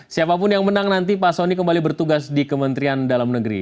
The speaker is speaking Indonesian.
siapapun yang menang nanti pak soni kembali bertugas di kementerian dalam negeri